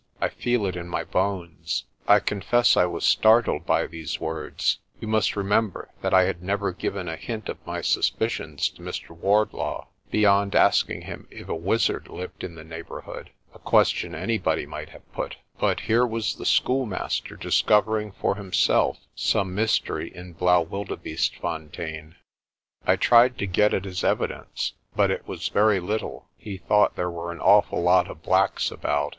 I feel it in my bones." I confess I was startled by these words. You must re member that I had never given a hint of my suspicions to Mr. Wardlaw beyond asking him if a wizard lived in the neighbourhood a question anybody might have put. But 74 PRESTER JOPIN here was the schoolmaster discovering for himself some mystery in Blaauwildebeestefontein. I tried to get at his evidence, but it was very little. He thought there were an awful lot of blacks about.